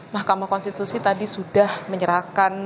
mahkamah konstitusi tadi sudah menyerahkan